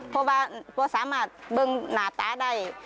เพราะว่าพอสามารถเบิ้งหนาตาได้